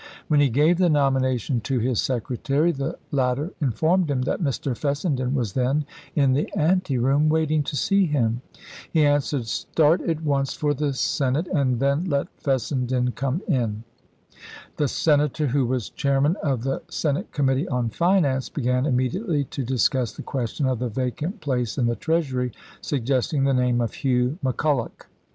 When he gave the nomination to his secretary, the latter informed him that Mr. Fessenden was then in the ante room waiting to see him. He answered, " Start at once for the Senate, and then let Fessen den come in." The Senator, who was chairman of the Senate Committee on Finance, began imme diately to discuss the question of the vacant place in the Treasury, suggesting the name of Hugh Mc Culloch.